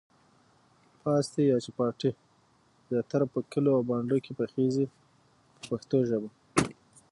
پاستي یا چپاتي زیاتره په کلیو او بانډو کې پخیږي په پښتو ژبه.